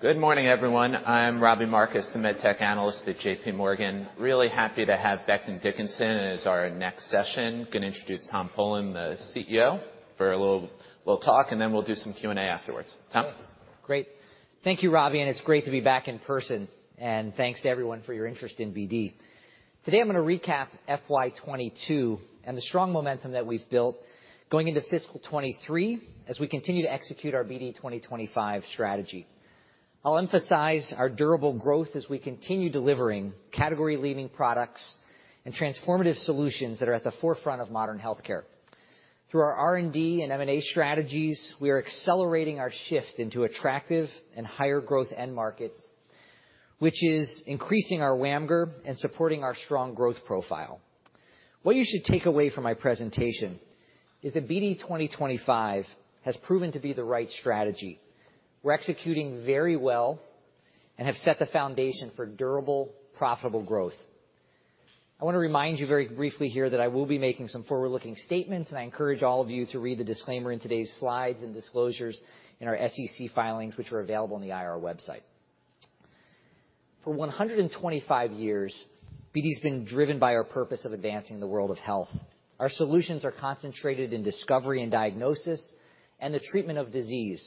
Good morning, everyone. I'm Robbie Marcus, the MedTech Analyst at JPMorgan. Really happy to have Becton, Dickinson as our next session. Gonna introduce Tom Polen, the CEO, for a little talk, and then we'll do some Q&A afterwards. Tom? Great. Thank you, Robbie. It's great to be back in person. Thanks to everyone for your interest in BD. Today I'm going to recap FY 2022 and the strong momentum that we've built going into fiscal 2023, as we continue to execute our BD 2025 strategy. I'll emphasize our durable growth as we continue delivering category-leading products and transformative solutions that are at the forefront of modern healthcare. Through our R&D and M&A strategies, we are accelerating our shift into attractive and higher growth end markets, which is increasing our WAMGR and supporting our strong growth profile. What you should take away from my presentation is that BD 2025 has proven to be the right strategy. We're executing very well. Have set the foundation for durable, profitable growth. I want to remind you very briefly here that I will be making some forward-looking statements, and I encourage all of you to read the disclaimer in today's slides and disclosures in our SEC filings, which are available on the IR website. For 125 years, BD's been driven by our purpose of advancing the world of health. Our solutions are concentrated in discovery and diagnosis and the treatment of disease,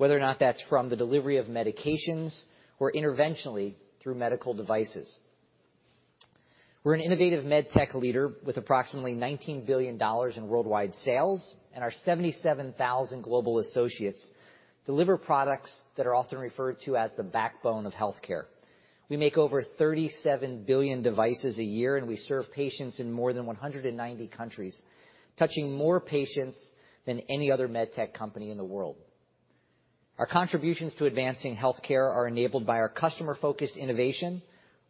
whether or not that's from the delivery of medications or interventionally through medical devices. We're an innovative MedTech leader with approximately $19 billion in worldwide sales, and our 77,000 global associates deliver products that are often referred to as the backbone of healthcare. We make over 37 billion devices a year, and we serve patients in more than 190 countries, touching more patients than any other MedTech company in the world. Our contributions to advancing healthcare are enabled by our customer-focused innovation,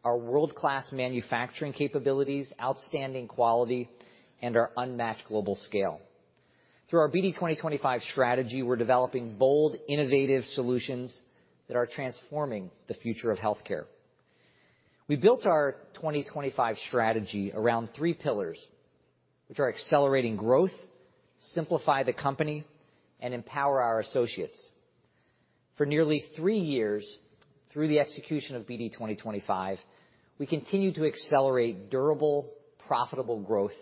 our world-class manufacturing capabilities, outstanding quality, and our unmatched global scale. Through our BD 2025 strategy, we're developing bold, innovative solutions that are transforming the future of healthcare. We built our 2025 strategy around three pillars, which are accelerating growth, simplify the company, and empower our associates. For nearly three years, through the execution of BD 2025, we continue to accelerate durable, profitable growth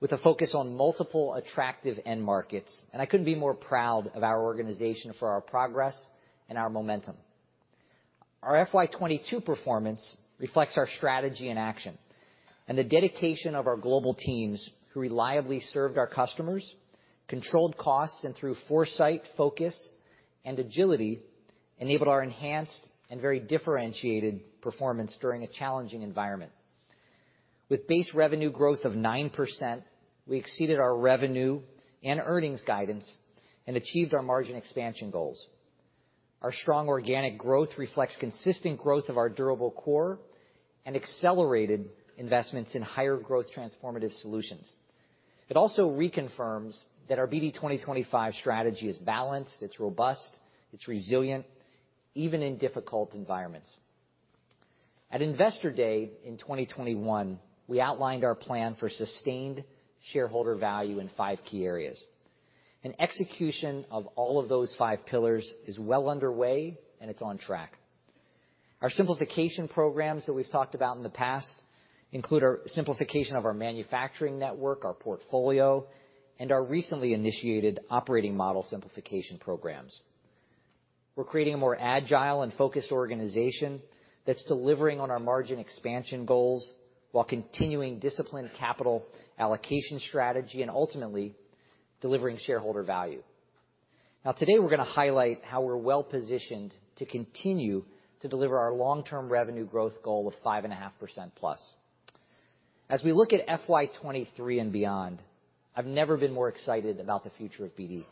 with a focus on multiple attractive end markets, and I couldn't be more proud of our organization for our progress and our momentum. Our FY 2022 performance reflects our strategy in action and the dedication of our global teams who reliably served our customers, controlled costs, and through foresight, focus, and agility, enabled our enhanced and very differentiated performance during a challenging environment. With base revenue growth of 9%, we exceeded our revenue and earnings guidance and achieved our margin expansion goals. Our strong organic growth reflects consistent growth of our durable core and accelerated investments in higher growth transformative solutions. It also reconfirms that our BD 2025 strategy is balanced, it's robust, it's resilient, even in difficult environments. At Investor Day in 2021, we outlined our plan for sustained shareholder value in five key areas. Execution of all of those five pillars is well underway, and it's on track. Our simplification programs that we've talked about in the past include our simplification of our manufacturing network, our portfolio, and our recently initiated operating model simplification programs. We're creating a more agile and focused organization that's delivering on our margin expansion goals while continuing disciplined capital allocation strategy and ultimately, delivering shareholder value. Today we're gonna highlight how we're well-positioned to continue to deliver our long-term revenue growth goal of 5.5%+. As we look at FY 2023 and beyond, I've never been more excited about the future of BD.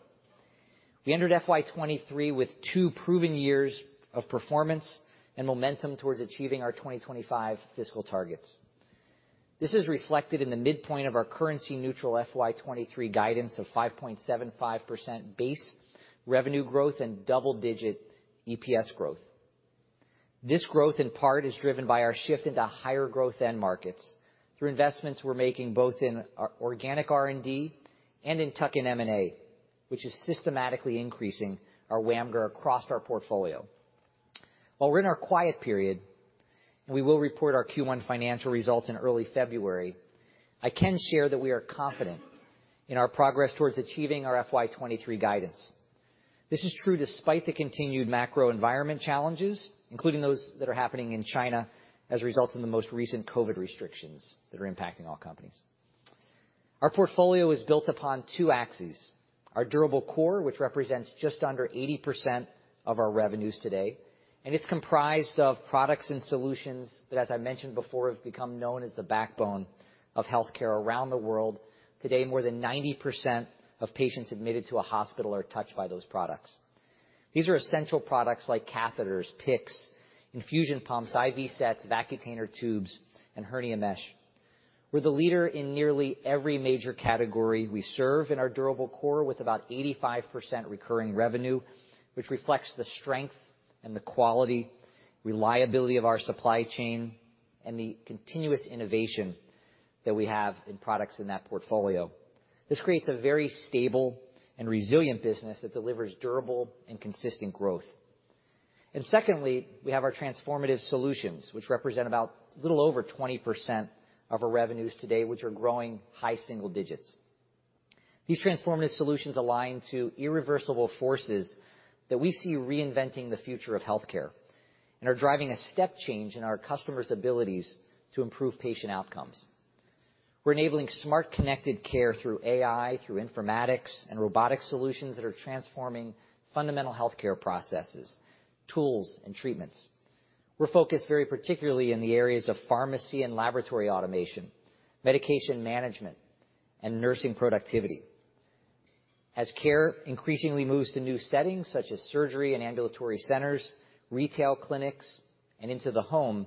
We entered FY 2023 with two proven years of performance and momentum towards achieving our 2025 fiscal targets. This is reflected in the midpoint of our currency neutral FY 2023 guidance of 5.75% base revenue growth and double-digit EPS growth. This growth, in part, is driven by our shift into higher growth end markets through investments we're making both in our organic R&D and in tuck-in M&A, which is systematically increasing our WAMGR across our portfolio. While we're in our quiet period, we will report our Q1 financial results in early February. I can share that we are confident in our progress towards achieving our FY 2023 guidance. This is true despite the continued macro environment challenges, including those that are happening in China as a result of the most recent COVID restrictions that are impacting all companies. Our portfolio is built upon two axes, our durable core, which represents just under 80% of our revenues today, and it's comprised of products and solutions that, as I mentioned before, have become known as the backbone of healthcare around the world. Today, more than 90% of patients admitted to a hospital are touched by those products. These are essential products like catheters, PICCs, infusion pumps, IV sets, Vacutainer tubes, and hernia mesh. We're the leader in nearly every major category we serve in our durable core with about 85% recurring revenue, which reflects the strength and the quality, reliability of our supply chain, and the continuous innovation that we have in products in that portfolio. This creates a very stable and resilient business that delivers durable and consistent growth. Secondly, we have our transformative solutions, which represent about a little over 20% of our revenues today, which are growing high single digits. These transformative solutions align to irreversible forces that we see reinventing the future of healthcare and are driving a step change in our customers' abilities to improve patient outcomes. We're enabling smart connected care through AI, through informatics and robotic solutions that are transforming fundamental healthcare processes, tools, and treatments. We're focused very particularly in the areas of pharmacy and laboratory automation, medication management, and nursing productivity. As care increasingly moves to new settings, such as surgery and ambulatory centers, retail clinics, and into the home,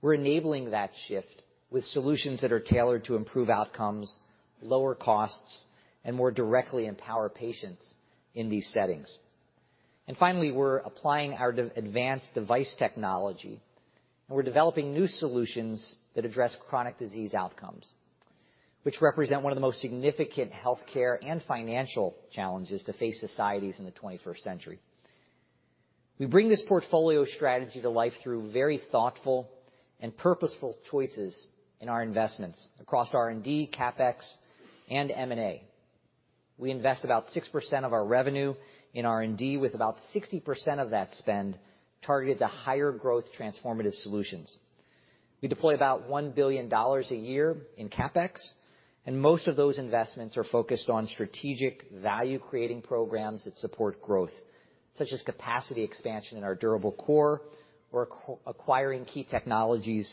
we're enabling that shift with solutions that are tailored to improve outcomes, lower costs, and more directly empower patients in these settings. Finally, we're applying our BD advanced device technology, and we're developing new solutions that address chronic disease outcomes, which represent one of the most significant healthcare and financial challenges to face societies in the 21st century. We bring this portfolio strategy to life through very thoughtful and purposeful choices in our investments across R&D, CapEx, and M&A. We invest about 6% of our revenue in R&D, with about 60% of that spend targeted to higher growth transformative solutions. We deploy about $1 billion a year in CapEx. Most of those investments are focused on strategic value-creating programs that support growth, such as capacity expansion in our durable core or acquiring key technologies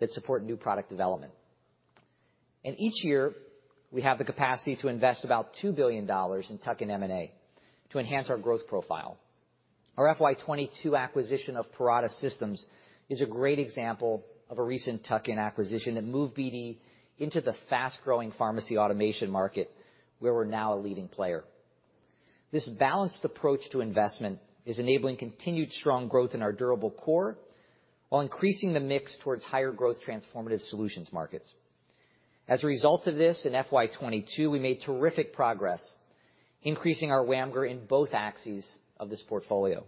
that support new product development. Each year, we have the capacity to invest about $2 billion in tuck-in M&A to enhance our growth profile. Our FY 2022 acquisition of Parata Systems is a great example of a recent tuck-in acquisition that moved BD into the fast-growing pharmacy automation market, where we're now a leading player. This balanced approach to investment is enabling continued strong growth in our durable core while increasing the mix towards higher growth transformative solutions markets. As a result of this, in FY 2022, we made terrific progress increasing our WAMGR in both axes of this portfolio.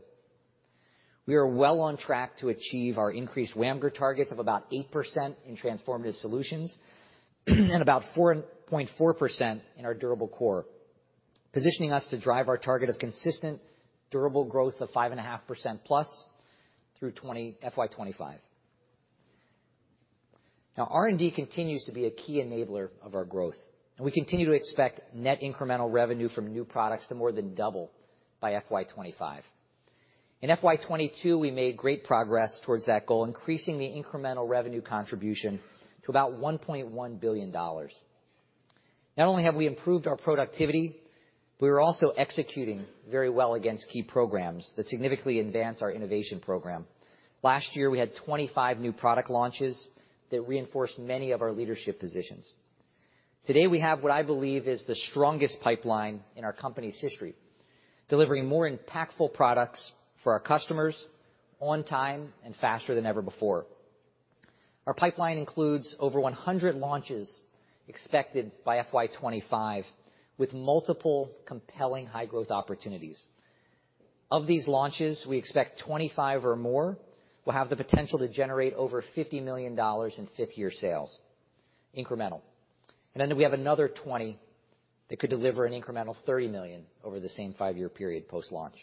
We are well on track to achieve our increased WAMGR targets of about 8% in transformative solutions and about 4.4% in our durable core, positioning us to drive our target of consistent, durable growth of 5.5%+ through FY 2025. R&D continues to be a key enabler of our growth, and we continue to expect net incremental revenue from new products to more than double by FY 2025. In FY 2022, we made great progress towards that goal, increasing the incremental revenue contribution to about $1.1 billion. Not only have we improved our productivity, but we are also executing very well against key programs that significantly advance our innovation program. Last year, we had 25 new product launches that reinforced many of our leadership positions. Today, we have what I believe is the strongest pipeline in our company's history, delivering more impactful products for our customers on time and faster than ever before. Our pipeline includes over 100 launches expected by FY 2025 with multiple compelling high-growth opportunities. Of these launches, we expect 25 or more will have the potential to generate over $50 million in fifth year sales incremental. We have another 20 that could deliver an incremental $30 million over the same five-year period post-launch.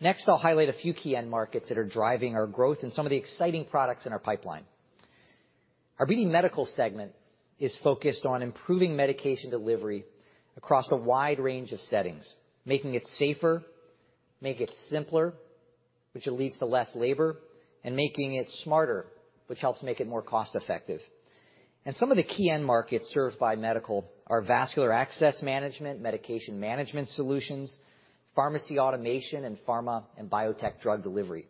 Next, I'll highlight a few key end markets that are driving our growth and some of the exciting products in our pipeline. Our BD Medical segment is focused on improving medication delivery across a wide range of settings, making it safer, make it simpler, which leads to less labor, and making it smarter, which helps make it more cost-effective. Some of the key end markets served by Medical are vascular access management, medication management solutions, pharmacy automation, and pharma and biotech drug delivery.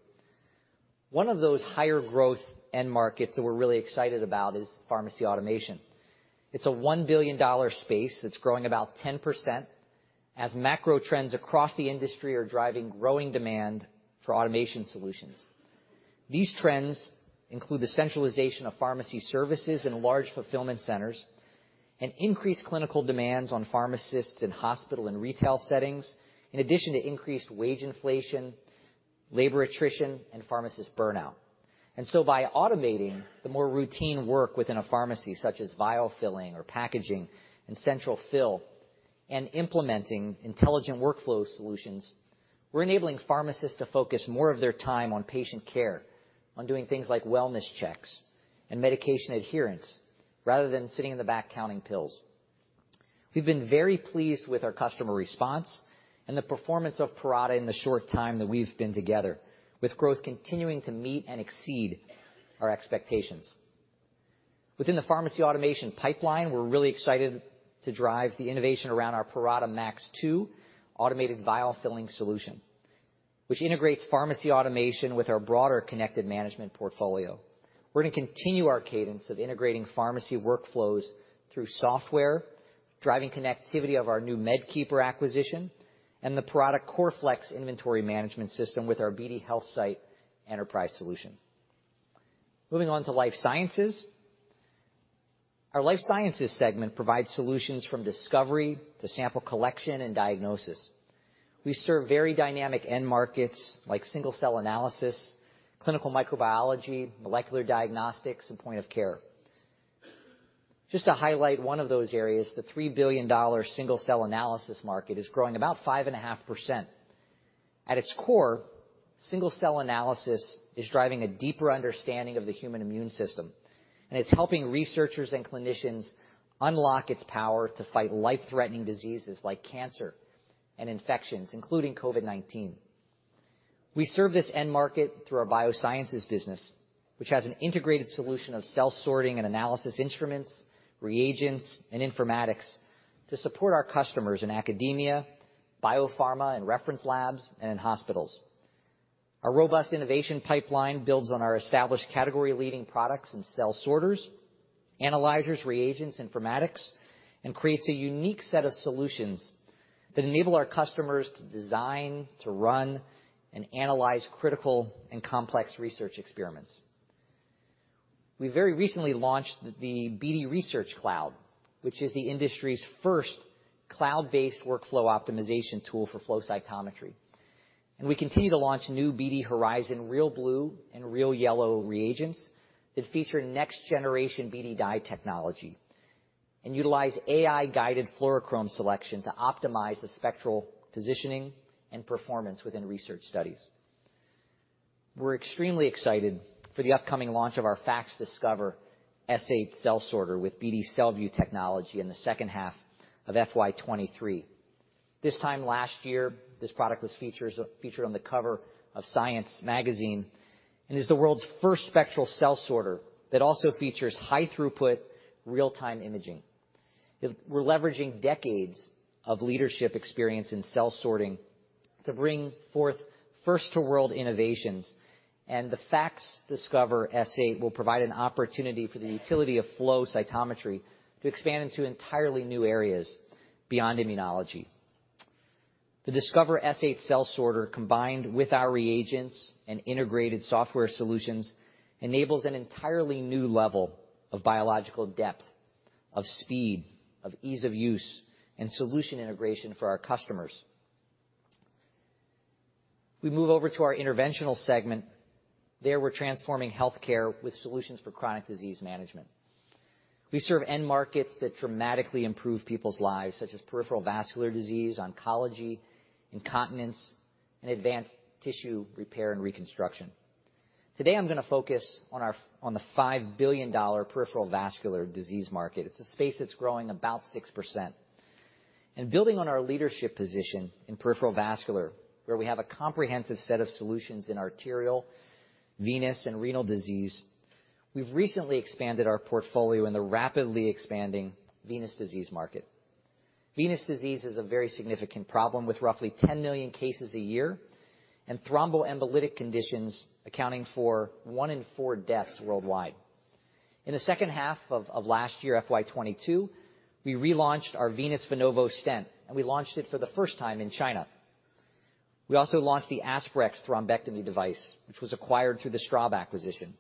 One of those higher growth end markets that we're really excited about is pharmacy automation. It's a $1 billion space that's growing about 10% as macro trends across the industry are driving growing demand for automation solutions. These trends include the centralization of pharmacy services in large fulfillment centers and increased clinical demands on pharmacists in hospital and retail settings, in addition to increased wage inflation, labor attrition, and pharmacist burnout. By automating the more routine work within a pharmacy, such as vial filling or packaging and central fill, and implementing intelligent workflow solutions, we're enabling pharmacists to focus more of their time on patient care, on doing things like wellness checks and medication adherence, rather than sitting in the back counting pills. We've been very pleased with our customer response and the performance of Parata in the short time that we've been together, with growth continuing to meet and exceed our expectations. Within the pharmacy automation pipeline, we're really excited to drive the innovation around our Parata Max 2 automated vial filling solution, which integrates pharmacy automation with our broader connected management portfolio. We're gonna continue our cadence of integrating pharmacy workflows, through software, driving connectivity of our new MedKeeper acquisition, and the product CoreFlex inventory management system with our BD HealthSight Enterprise solution. Moving on to Life Sciences. Our Life Sciences segment provides solutions from discovery to sample collection and diagnosis. We serve very dynamic end markets like single-cell analysis, clinical microbiology, molecular diagnostics, and point of care. Just to highlight one of those areas, the $3 billion single-cell analysis market is growing about 5.5%. At its core, single-cell analysis is driving a deeper understanding of the human immune system, and it's helping researchers and clinicians unlock its power to fight life-threatening diseases like cancer and infections, including COVID-19. We serve this end market through our biosciences business, which has an integrated solution of cell sorting and analysis instruments, reagents, and informatics to support our customers in academia, biopharma and reference labs, and in hospitals. Our robust innovation pipeline builds on our established category-leading products in cell sorters, analyzers, reagents, informatics, and creates a unique set of solutions that enable our customers to design, to run, and analyze critical and complex research experiments. We very recently launched the BD ResearchCloud, which is the industry's first cloud-based workflow optimization tool for flow cytometry. We continue to launch new BD Horizon RealBlue and RealYellow reagents that feature next-generation BD dye technology and utilize AI-guided fluorochrome selection to optimize the spectral positioning and performance within research studies. We're extremely excited for the upcoming launch of our FACSDiscover S8 cell sorter with BD CellView technology in the second half of FY 2023. This time last year, this product was featured on the cover of Science Magazine and is the world's first spectral cell sorter that also features high throughput real-time imaging. We're leveraging decades of leadership experience in cell sorting to bring forth first to world innovations. The FACSDiscover S8 will provide an opportunity for the utility of flow cytometry to expand into entirely new areas beyond immunology. The Discover S8 cell sorter, combined with our reagents and integrated software solutions, enables an entirely new level of biological depth, of speed, of ease of use, and solution integration for our customers. We move over to our interventional segment. There, we're transforming healthcare with solutions for chronic disease management. We serve end markets that dramatically improve people's lives, such as peripheral vascular disease, oncology, incontinence, and advanced tissue repair and reconstruction. Today, I'm gonna focus on the $5 billion peripheral vascular disease market. It's a space that's growing about 6%. Building on our leadership position in peripheral vascular, where we have a comprehensive set of solutions in arterial, venous, and renal disease, we've recently expanded our portfolio in the rapidly expanding venous disease market. Venous disease is a very significant problem, with roughly 10 million cases a year, and thromboembolic conditions accounting for one in four deaths worldwide. In the second half of last year, FY 2022, we relaunched our Venovo Venous Stent, and we launched it for the first time in China. We also launched the Aspirex thrombectomy device, which was acquired through the Straub acquisition.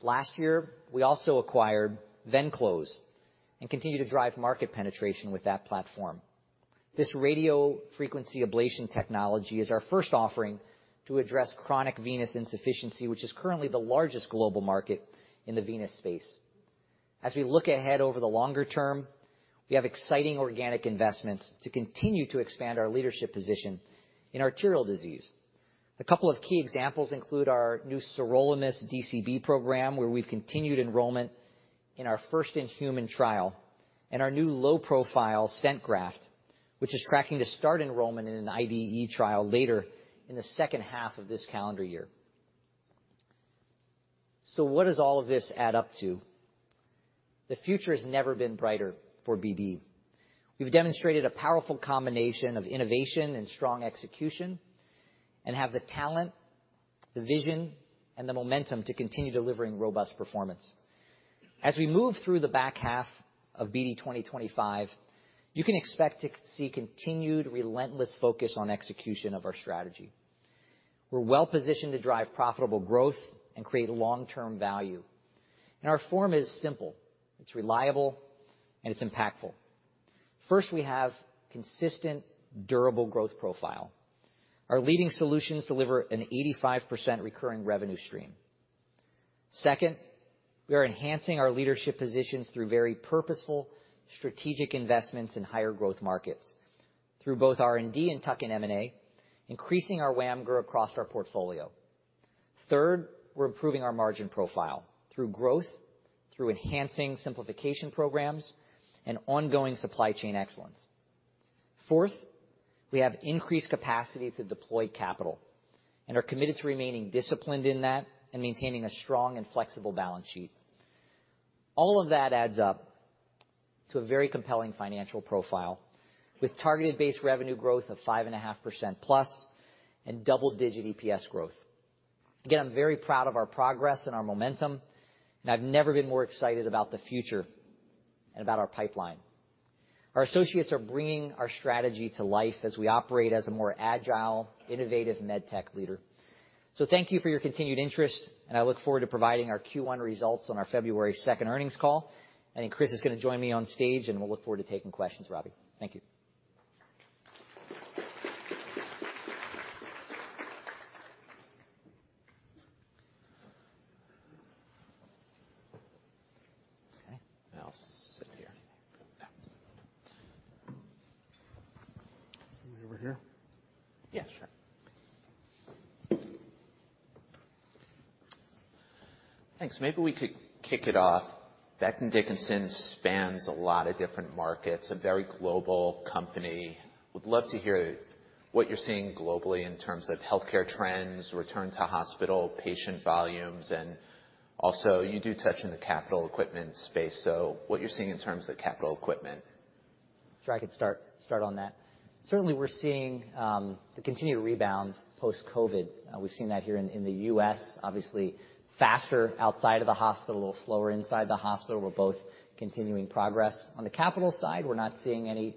Last year, we also acquired Venclose and continue to drive market penetration with that platform. This radiofrequency ablation technology is our first offering to address chronic venous insufficiency, which is currently the largest global market in the venous space. As we look ahead over the longer term, we have exciting organic investments to continue to expand our leadership position in arterial disease. A couple of key examples include our new sirolimus DCB program, where we've continued enrollment in our first-in-human trial, and our new low-profile stent graft, which is tracking to start enrollment in an IDE trial later in the second half of this calendar year. What does all of this add up to? The future has never been brighter for BD. We've demonstrated a powerful combination of innovation and strong execution and have the talent, the vision, and the momentum to continue delivering robust performance. As we move through the back half of BD 2025, you can expect to see continued relentless focus on execution of our strategy. We're well-positioned to drive profitable growth and create long-term value. Our form is simple, it's reliable, and it's impactful. First, we have consistent, durable growth profile. Our leading solutions deliver an 85% recurring revenue stream. Second, we are enhancing our leadership positions through very purposeful strategic investments in higher growth markets through both R&D and tuck-in M&A, increasing our WAMGR across our portfolio. Third, we're improving our margin profile through growth, through enhancing simplification programs, and ongoing supply chain excellence. Fourth, we have increased capacity to deploy capital and are committed to remaining disciplined in that and maintaining a strong and flexible balance sheet. All of that adds up to a very compelling financial profile with targeted base revenue growth of 5.5%+ and double-digit EPS growth. I'm very proud of our progress and our momentum, and I've never been more excited about the future and about our pipeline. Our associates are bringing our strategy to life as we operate as a more agile, innovative MedTech leader. Thank you for your continued interest. I look forward to providing our Q1 results on our February 2nd earnings call. I think Chris is gonna join me on stage. We'll look forward to taking questions, Robbie. Thank you. Okay, I'll sit here. Yeah. Over here? Yeah, sure. Thanks. Maybe we could kick it off. Becton, Dickinson spans a lot of different markets, a very global company. Would love to hear what you're seeing globally in terms of healthcare trends, return to hospital, patient volumes, and also you do touch in the capital equipment space, so what you're seeing in terms of capital equipment. Sure, I could start on that. Certainly, we're seeing the continued rebound post-COVID. We've seen that here in the U.S., obviously faster outside of the hospital, slower inside the hospital. We're both continuing progress. On the capital side, we're not seeing any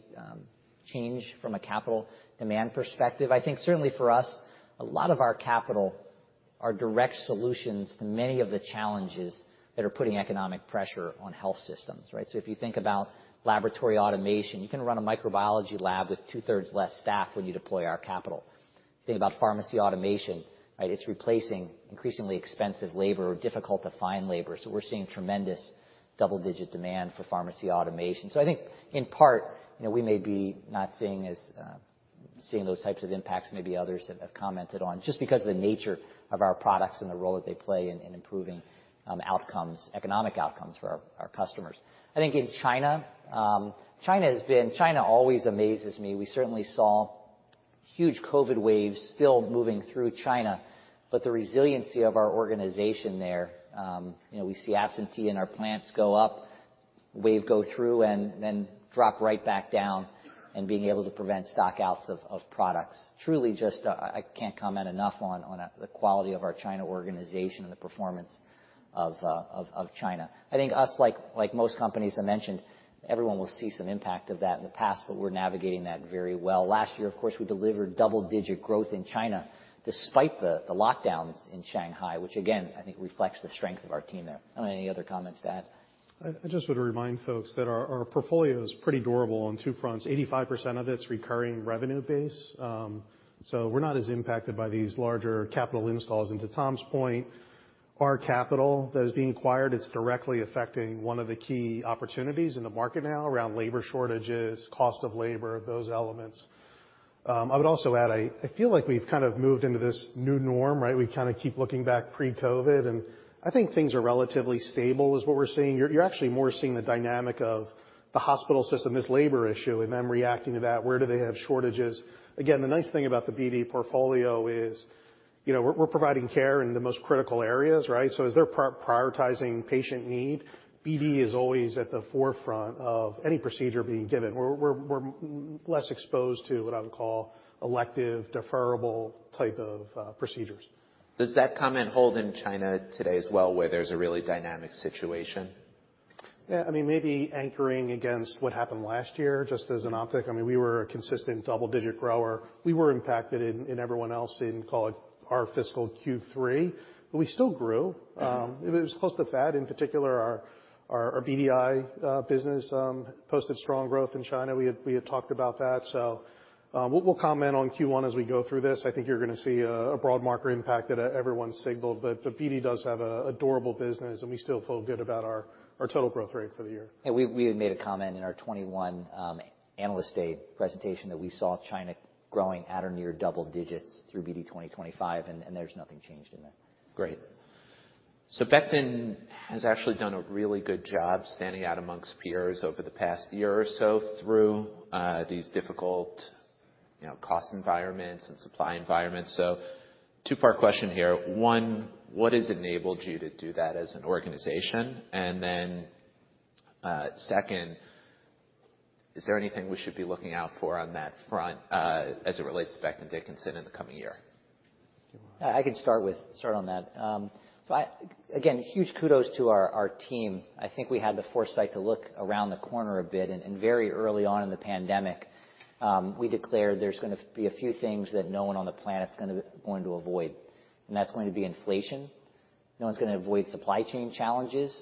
change from a capital demand perspective. I think certainly for us, a lot of our capital are direct solutions to many of the challenges that are putting economic pressure on health systems, right? If you think about laboratory automation, you can run a microbiology lab with 2/3 less staff when you deploy our capital. Think about pharmacy automation, right? It's replacing increasingly expensive labor or difficult-to-find labor. We're seeing tremendous double-digit demand for pharmacy automation. I think in part, you know, we may be not seeing as seeing those types of impacts maybe others have commented on, just because of the nature of our products and the role that they play in improving outcomes, economic outcomes for our customers. I think in China always amazes me. We certainly saw huge COVID waves still moving through China, but the resiliency of our organization there, you know, we see absentee in our plants go up, wave go through, and then drop right back down, and being able to prevent stock-outs of products. Truly just I can't comment enough on the quality of our China organization and the performance of China. I think us, like most companies I mentioned, everyone will see some impact of that in the past, we're navigating that very well. Last year, of course, we delivered double-digit growth in China despite the lockdowns in Shanghai, which again, I think reflects the strength of our team there. I don't know, any other comments to add? I just would remind folks that our portfolio is pretty durable on two fronts. 85% of it's recurring revenue base, so we're not as impacted by these larger capital installs. To Tom's point, our capital that is being acquired, it's directly affecting one of the key opportunities in the market now around labor shortages, cost of labor, those elements. I would also add, I feel like we've kind of moved into this new norm, right? We kind of keep looking back pre-COVID, and I think things are relatively stable is what we're seeing. You're actually more seeing the dynamic of the hospital system, this labor issue, and them reacting to that. Where do they have shortages? The nice thing about the BD portfolio is, you know, we're providing care in the most critical areas, right? As they're prioritizing patient need, BD is always at the forefront of any procedure being given. We're less exposed to what I would call elective, deferrable type of procedures. Does that comment hold in China today as well, where there's a really dynamic situation? I mean, maybe anchoring against what happened last year, just as an optic. I mean, we were a consistent double-digit grower. We were impacted in everyone else in, call it, our fiscal Q3, we still grew. It was close to FDA. In particular, our BDI business posted strong growth in China. We had talked about that. We'll comment on Q1 as we go through this. I think you're gonna see a broad market impact that everyone signaled, but BD does have a durable business, and we still feel good about our total growth rate for the year. Yeah, we had made a comment in our 2021 Analyst Day presentation that we saw China growing at or near double digits through BD 2025, and there's nothing changed in that. Great. Becton has actually done a really good job standing out amongst peers over the past year or so through these difficult, you know, cost environments and supply environments. Two-part question here. One, what has enabled you to do that as an organization? Second, is there anything we should be looking out for on that front as it relates to Becton, Dickinson in the coming year? I can start on that. Again, huge kudos to our team. I think we had the foresight to look around the corner a bit, and very early on in the pandemic, we declared there's gonna be a few things that no one on the planet's going to avoid. That's going to be inflation. No one's gonna avoid supply chain challenges.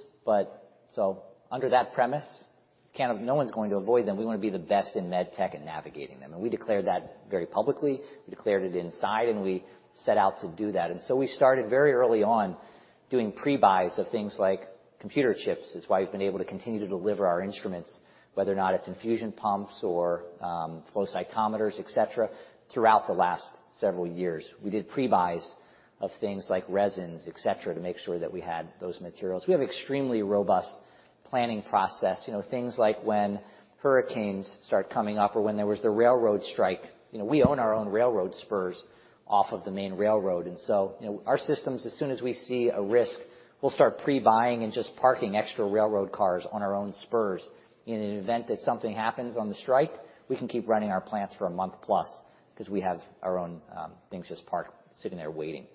Under that premise, no one's going to avoid them. We wanna be the best in MedTech in navigating them. We declared that very publicly. We declared it inside, and we set out to do that. We started very early on doing pre-buys of things like computer chips. It's why we've been able to continue to deliver our instruments, whether or not it's infusion pumps or flow cytometers, et cetera, throughout the last several years. We did pre-buys of things like resins, et cetera, to make sure that we had those materials. We have extremely robust planning process. You know, things like when hurricanes start coming up or when there was the railroad strike, you know, we own our own railroad spurs off of the main railroad. You know, our systems, as soon as we see a risk, we'll start pre-buying and just parking extra railroad cars on our own spurs. In an event that something happens on the strike, we can keep running our plants for a month plus 'cause we have our own things just parked, sitting there waiting.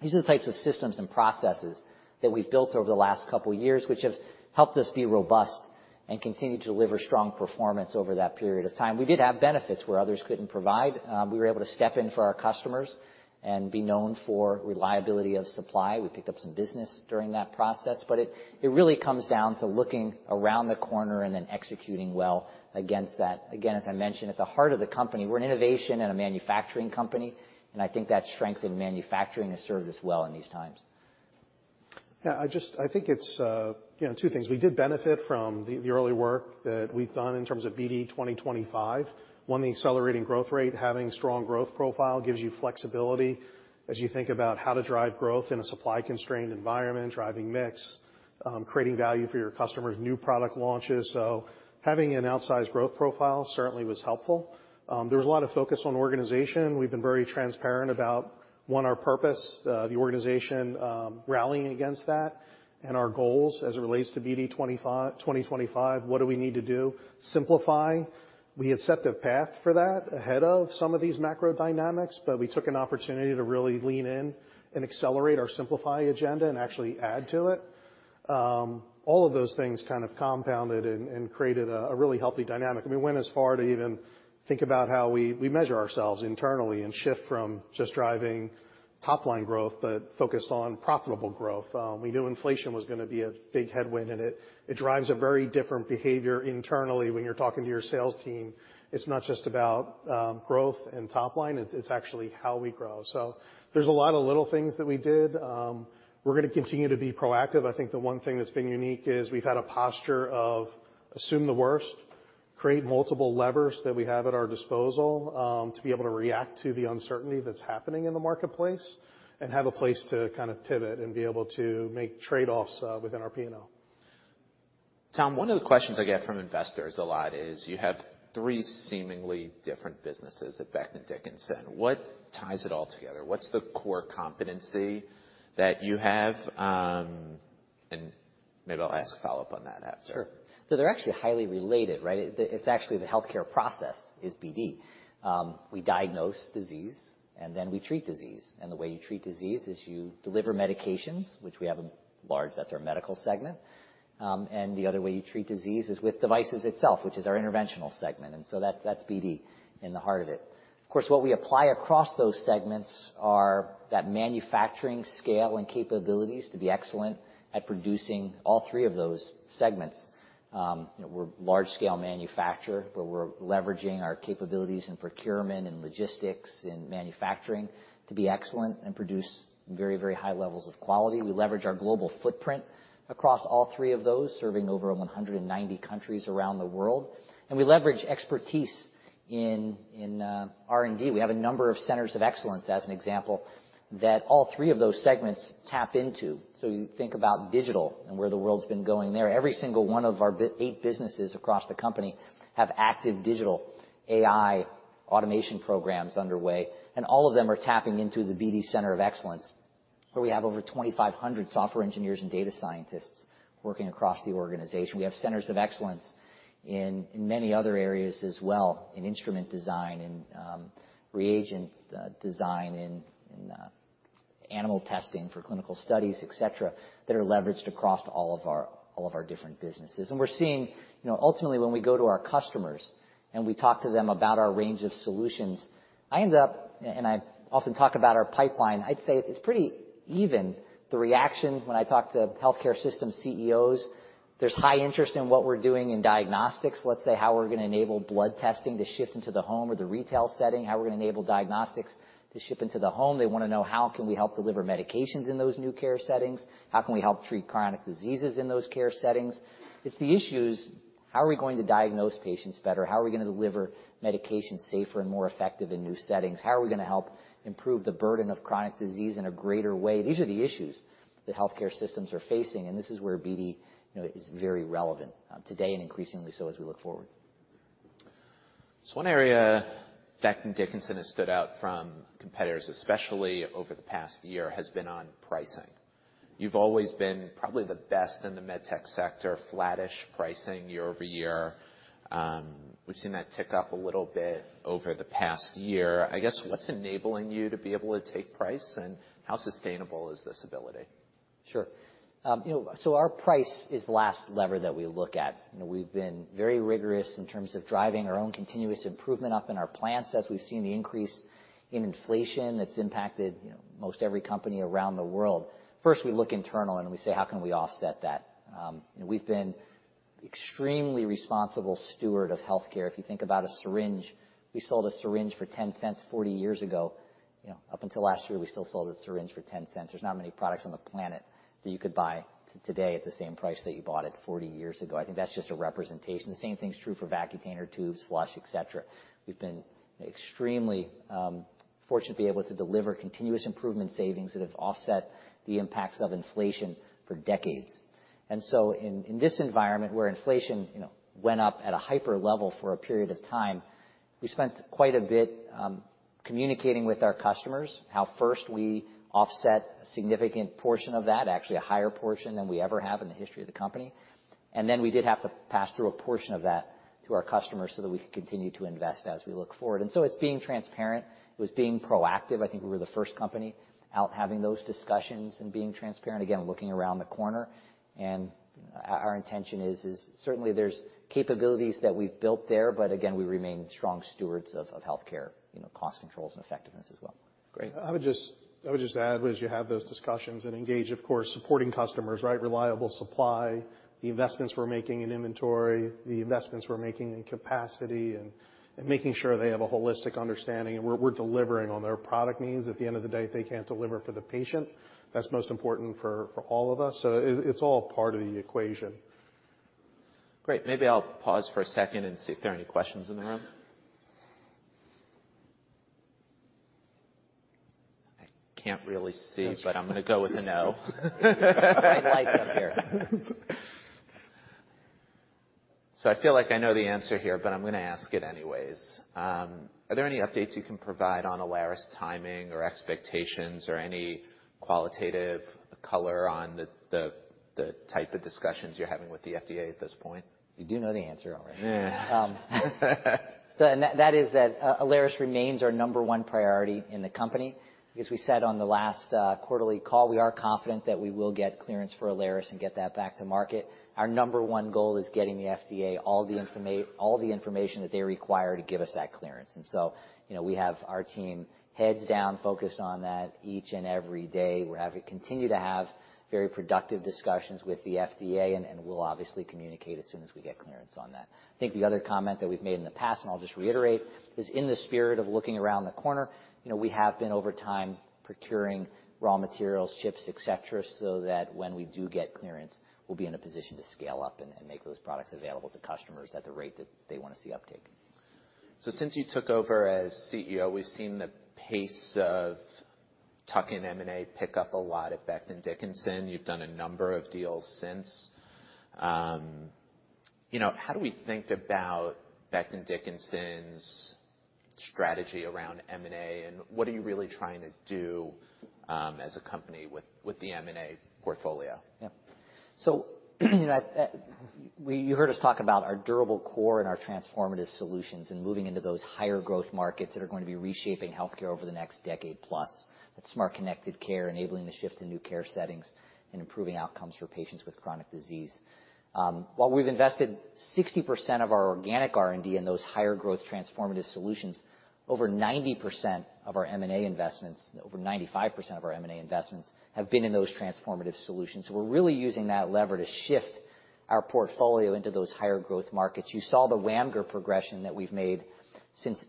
These are the types of systems and processes that we've built over the last couple years, which have helped us be robust and continue to deliver strong performance over that period of time. We did have benefits where others couldn't provide. We were able to step in for our customers and be known for reliability of supply. We picked up some business during that process, It, it really comes down to looking around the corner and then executing well against that. Again, as I mentioned, at the heart of the company, we're an innovation and a manufacturing company, I think that strength in manufacturing has served us well in these times. Yeah. I think it's, you know, two things. We did benefit from the early work that we've done in terms of BD 2025. One, the accelerating growth rate, having strong growth profile gives you flexibility as you think about how to drive growth in a supply-constrained environment, driving mix, creating value for your customers, new product launches. Having an outsized growth profile certainly was helpful. There was a lot of focus on organization. We've been very transparent about, one, our purpose, the organization, rallying against that and our goals as it relates to BD 2025, what do we need to do? Simplify. We had set the path for that ahead of some of these macro dynamics, we took an opportunity to really lean in and accelerate our simplify agenda and actually add to it. All of those things kind of compounded and created a really healthy dynamic. We went as far to even think about how we measure ourselves internally and shift from just driving top-line growth, but focused on profitable growth. We knew inflation was gonna be a big headwind, and it drives a very different behavior internally when you're talking to your sales team. It's not just about growth and top line. It's actually how we grow. There's a lot of little things that we did. We're gonna continue to be proactive. I think the one thing that's been unique is we've had a posture of assume the worst, create multiple levers that we have at our disposal, to be able to react to the uncertainty that's happening in the marketplace and have a place to kind of pivot and be able to make trade-offs, within our P&L. Tom, one of the questions I get from investors a lot is you have three seemingly different businesses at Becton, Dickinson. What ties it all together? What's the core competency that you have? Maybe I'll ask a follow-up on that after. Sure. They're actually highly related, right? It's actually the healthcare process is BD. We diagnose disease, and then we treat disease. The way you treat disease is you deliver medications, which we have a large that's our Medical segment. And the other way you treat disease is with devices itself, which is our Interventional segment. That's, that's BD in the heart of it. Of course, what we apply across those segments are that manufacturing scale and capabilities to be excellent at producing all three of those segments. You know, we're a large-scale manufacturer, but we're leveraging our capabilities in procurement and logistics, in manufacturing to be excellent and produce very, very high levels of quality. We leverage our global footprint across all three of those, serving over 190 countries around the world. We leverage expertise in R&D. We have a number of Centers of Excellence, as an example, that all three of those segments tap into. You think about digital and where the world's been going there. Every single one of our eight businesses across the company have active digital AI automation programs underway, and all of them are tapping into the BD Center of Excellence, where we have over 2,500 software engineers and data scientists working across the organization. We have Centers of Excellence in many other areas as well, in instrument design, in reagent design, in animal testing for clinical studies, et cetera, that are leveraged across all of our different businesses. We're seeing... You know, ultimately, when we go to our customers, we talk to them about our range of solutions. I often talk about our pipeline. I'd say it's pretty even. The reaction when I talk to healthcare system CEOs, there's high interest in what we're doing in diagnostics, let's say, how we're gonna enable blood testing to shift into the home or the retail setting, how we're gonna enable diagnostics to ship into the home. They wanna know how can we help deliver medications in those new care settings? How can we help treat chronic diseases in those care settings? It's the issues, how are we going to diagnose patients better? How are we gonna deliver medications safer and more effective in new settings? How are we gonna help improve the burden of chronic disease in a greater way? These are the issues that healthcare systems are facing, and this is where BD, you know, is very relevant, today and increasingly so as we look forward. One area Becton, Dickinson has stood out from competitors, especially over the past year, has been on pricing. You've always been probably the best in the MedTech sector, flattish pricing year-over-year. We've seen that tick up a little bit over the past year. I guess, what's enabling you to be able to take price, and how sustainable is this ability? You know, our price is the last lever that we look at. You know, we've been very rigorous in terms of driving our own continuous improvement up in our plants as we've seen the increase in inflation that's impacted, you know, most every company around the world. First, we look internal, we say, "How can we offset that?" You know, we've been extremely responsible steward of healthcare. If you think about a syringe, we sold a syringe for 10 cents 40 years ago. You know, up until last year, we still sold a syringe for 10 cents. There's not many products on the planet that you could buy today at the same price that you bought it 40 years ago. I think that's just a representation. The same thing's true for Vacutainer tubes, flush, et cetera. We've been extremely fortunate to be able to deliver continuous improvement savings that have offset the impacts of inflation for decades. In, in this environment where inflation, you know, went up at a hyper level for a period of time, we spent quite a bit communicating with our customers how first we offset a significant portion of that, actually a higher portion than we ever have in the history of the company. We did have to pass through a portion of that to our customers so that we can continue to invest as we look forward. It's being transparent. It was being proactive. I think we were the first company out having those discussions and being transparent, again, looking around the corner. Our intention is certainly there's capabilities that we've built there, but again, we remain strong stewards of healthcare, you know, cost controls and effectiveness as well. Great. I would just add, as you have those discussions and engage, of course supporting customers, right. Reliable supply, the investments we're making in inventory, the investments we're making in capacity, and making sure they have a holistic understanding, and we're delivering on their product needs. At the end of the day, if they can't deliver for the patient, that's most important for all of us. It's all part of the equation. Great. Maybe I'll pause for a second and see if there are any questions in the room. I can't really see, but I'm gonna go with a no. Bright lights up here. I feel like I know the answer here, but I'm gonna ask it anyways. Are there any updates you can provide on Alaris timing or expectations or any qualitative color on the type of discussions you're having with the FDA at this point? You do know the answer already. Yeah. That, that is that Alaris remains our number one priority in the company. As we said on the last quarterly call, we are confident that we will get clearance for Alaris and get that back to market. Our number one goal is getting the FDA all the information that they require to give us that clearance. You know, we have our team heads down focused on that each and every day. We continue to have very productive discussions with the FDA, and we'll obviously communicate as soon as we get clearance on that. I think the other comment that we've made in the past, and I'll just reiterate, is in the spirit of looking around the corner, you know, we have been, over time, procuring raw materials, chips, et cetera, so that when we do get clearance, we'll be in a position to scale up and make those products available to customers at the rate that they wanna see uptake. Since you took over as CEO, we've seen the pace of tuck-in M&A pick up a lot at Becton, Dickinson. You've done a number of deals since. You know, how do we think about Becton, Dickinson's strategy around M&A, and what are you really trying to do as a company with the M&A portfolio? You know, you heard us talk about our durable core and our transformative solutions and moving into those higher growth markets that are going to be reshaping healthcare over the next decade plus. That's smart connected care, enabling the shift to new care settings and improving outcomes for patients with chronic disease. While we've invested 60% of our organic R&D in those higher growth transformative solutions, over 90% of our M&A investments, over 95% of our M&A investments have been in those transformative solutions. We're really using that lever to shift our portfolio into those higher growth markets. You saw the WAMGR progression that we've made since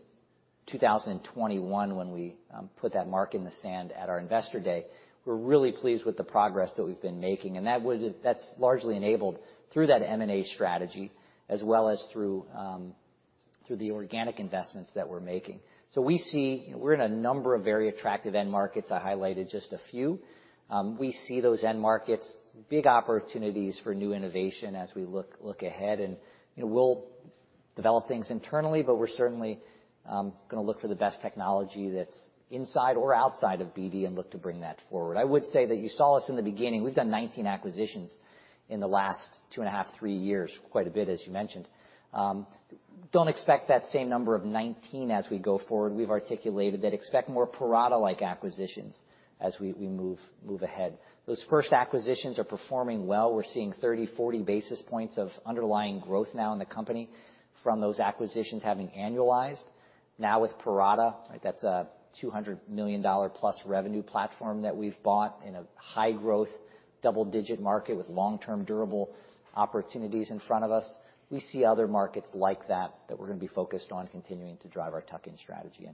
2021 when we put that mark in the sand at our Investor Day. We're really pleased with the progress that we've been making, that's largely enabled through that M&A strategy, as well as through the organic investments that we're making. We're in a number of very attractive end markets. I highlighted just a few. We see those end markets, big opportunities for new innovation as we look ahead and, you know, we'll develop things internally, but we're certainly going to look for the best technology that's inside or outside of BD and look to bring that forward. I would say that you saw us in the beginning. We've done 19 acquisitions in the last 2.5-three years, quite a bit, as you mentioned. Don't expect that same number of 19 as we go forward. We've articulated that expect more Parata-like acquisitions as we move ahead. Those first acquisitions are performing well. We're seeing 30, 40 basis points of underlying growth now in the company from those acquisitions having annualized. Now with Parata, that's a $200 million-plus revenue platform that we've bought in a high growth, double-digit market with long-term durable opportunities in front of us. We see other markets like that we're gonna be focused on continuing to drive our tuck-in strategy.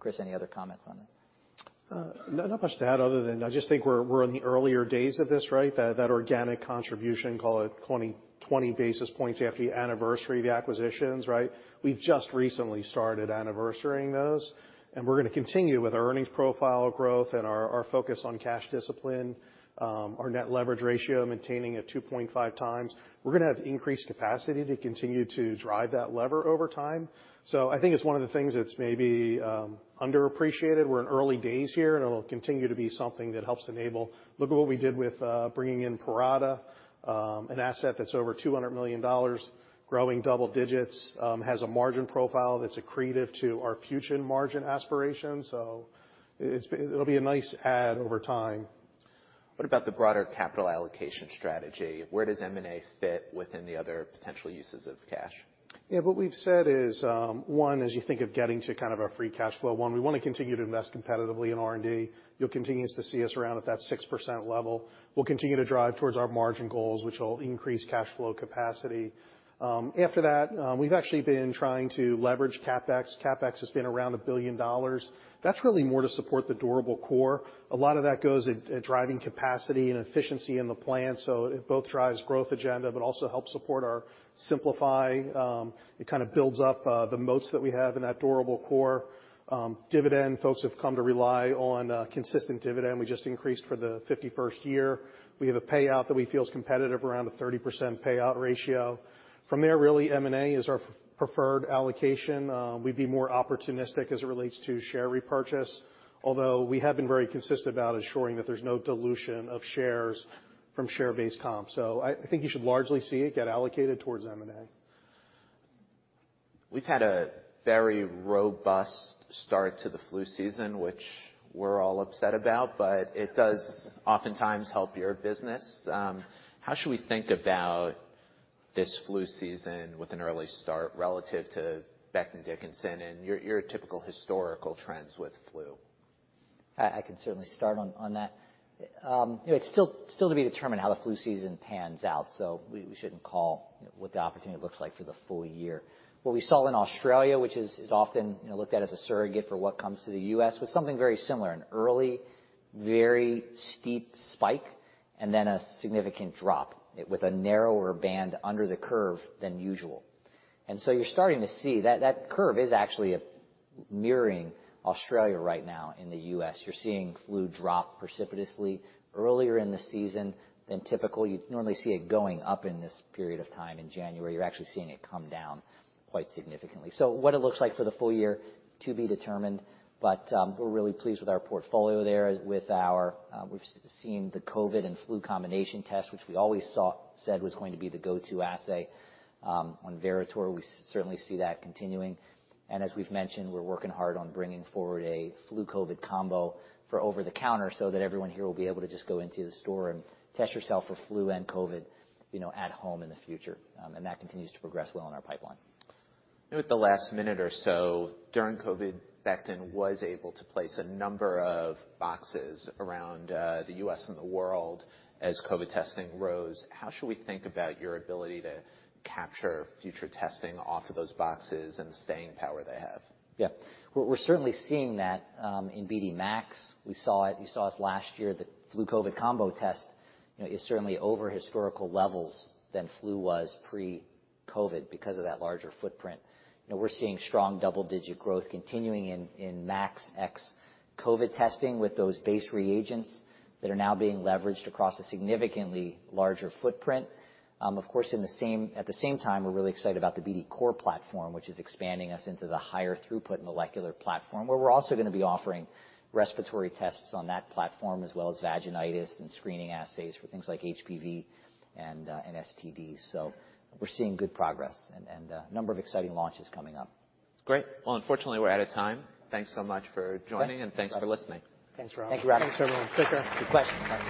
Chris, any other comments on that? Not much to add other than I just think we're in the earlier days of this, right? That organic contribution, call it 20 basis points after the anniversary of the acquisitions, right? We've just recently started anniversarying those, and we're gonna continue with our earnings profile growth and our focus on cash discipline, our net leverage ratio maintaining at 2.5x. We're gonna have increased capacity to continue to drive that lever over time. I think it's one of the things that's maybe underappreciated. We're in early days here, and it'll continue to be something that helps enable. Look at what we did with bringing in Parata, an asset that's over $200 million, growing double digits, has a margin profile that's accretive to our future margin aspirations. It'll be a nice add over time. What about the broader capital allocation strategy? Where does M&A fit within the other potential uses of cash? Yeah, what we've said is, one, as you think of getting to kind of our free cash flow, one, we wanna continue to invest competitively in R&D. You'll continue to see us around at that 6% level. We'll continue to drive towards our margin goals, which will increase cash flow capacity. After that, we've actually been trying to leverage CapEx. CapEx has been around $1 billion. That's really more to support the durable core. A lot of that goes at driving capacity and efficiency in the plan. It both drives growth agenda, but also helps support our Simplify. It kind of builds up the moats that we have in that durable core. Dividend, folks have come to rely on a consistent dividend. We just increased for the fifty first year. We have a payout that we feel is competitive around a 30% payout ratio. From there, really, M&A is our preferred allocation. We'd be more opportunistic as it relates to share repurchase, although we have been very consistent about ensuring that there's no dilution of shares from share-based comp. I think you should largely see it get allocated towards M&A. We've had a very robust start to the flu season, which we're all upset about, but it does oftentimes help your business. How should we think about this flu season with an early start relative to Becton Dickinson and your typical historical trends with flu? I can certainly start on that. You know, it's still to be determined how the flu season pans out, so we shouldn't call, you know, what the opportunity looks like for the full year. What we saw in Australia, which is often, you know, looked at as a surrogate for what comes to the U.S, was something very similar. An early, very steep spike and then a significant drop with a narrower band under the curve than usual. You're starting to see that curve is actually mirroring Australia right now in the U.S. You're seeing flu drop precipitously earlier in the season than typical. You'd normally see it going up in this period of time in January. You're actually seeing it come down quite significantly. What it looks like for the full year, to be determined, but, we're really pleased with our portfolio there, with our, we've seen the COVID and flu combination test, which we always said was going to be the go-to assay, on Veritor. We certainly see that continuing. As we've mentioned, we're working hard on bringing forward a flu COVID combo for over the counter so that everyone here will be able to just go into the store and test yourself for flu and COVID, you know, at home in the future. That continues to progress well in our pipeline. With the last minute or so during COVID, Becton was able to place a number of boxes around, the U.S. and the world as COVID testing rose. How should we think about your ability to capture future testing off of those boxes and the staying power they have? Yeah. We're certainly seeing that in BD MAX. You saw us last year. The flu COVID combo test, you know, is certainly over historical levels than flu was pre-COVID because of that larger footprint. You know, we're seeing strong double-digit growth continuing in BD MAX COVID testing with those base reagents that are now being leveraged across a significantly larger footprint. Of course, at the same time, we're really excited about the BD COR platform, which is expanding us into the higher throughput molecular platform, where we're also gonna be offering respiratory tests on that platform as well as vaginitis and screening assays for things like HPV and STDs. We're seeing good progress and number of exciting launches coming up. Great. Well, unfortunately, we're out of time. Thanks so much for joining and thanks for listening. Thanks, Rob. Thank you. Thanks, everyone. Take care. Good questions. Thanks.